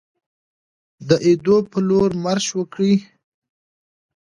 د ایدو په لور مارش وکړي.